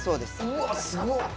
うわ、すごっ。